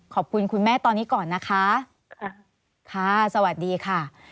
ขอบคุณคุณแม่ตอนนี้ก่อนนะคะค่ะ